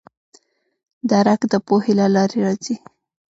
درک د پوهې له لارې راځي.